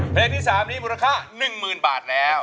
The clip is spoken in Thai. เพลงที่สามมูลค่า๑หมื่นบาทแล้ว